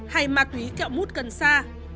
hay ma túy kẹo mút cần xa